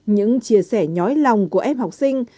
những chia sẻ nhói lòng của em học sinh